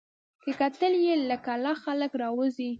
که کتل یې له کلا خلک راوزي